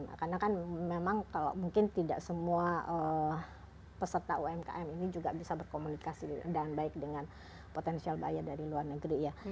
karena kan memang kalau mungkin tidak semua peserta umkm ini juga bisa berkomunikasi dengan baik dengan potensial bayar dari luar negeri ya